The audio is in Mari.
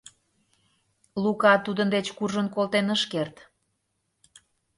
Лука тудын деч куржын колтен ыш керт.